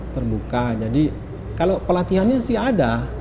terbuka jadi kalau pelatihannya sih ada